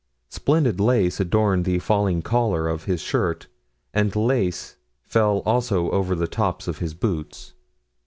Splendid lace adorned the falling collar of his shirt, and lace fell also over the top of his boots.